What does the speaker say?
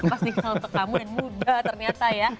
pas dikalo ke kamu yang mudah ternyata ya